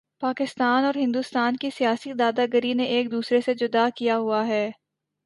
پاکستان اور ہندوستان کی سیاسی دادا گری نے ایک دوسرے سے جدا کیا ہوا ہے